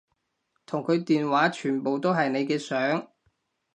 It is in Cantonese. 同佢電話全部都係你嘅相